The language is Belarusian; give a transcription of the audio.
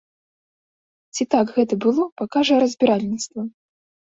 Ці так гэта было, пакажа разбіральніцтва.